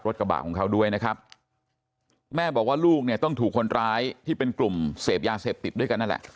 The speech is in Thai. กระบะของเขาด้วยนะครับแม่บอกว่าลูกเนี่ยต้องถูกคนร้ายที่เป็นกลุ่มเสพยาเสพติดด้วยกันนั่นแหละ